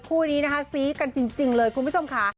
คู่นี้นะคะซี้กันจริงเลยคุณผู้ชมค่ะ